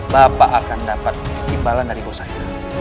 bapak akan dapat imbalan dari bosannya